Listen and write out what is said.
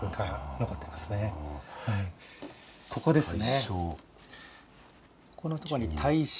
ここですね。